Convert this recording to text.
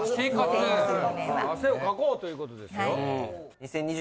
汗をかこうということですよ！